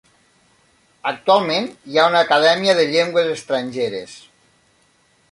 Actualment hi ha una acadèmia de llengües estrangeres.